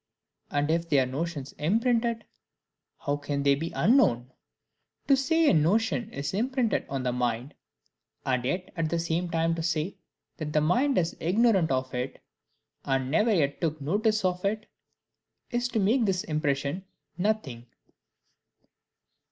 and if they are notions imprinted, how can they be unknown? To say a notion is imprinted on the mind, and yet at the same time to say, that the mind is ignorant of it, and never yet took notice of it, is to make this impression nothing.